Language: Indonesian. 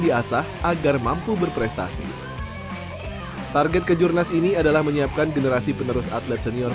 diasah agar mampu berprestasi target kejurnas ini adalah menyiapkan generasi penerus atlet senior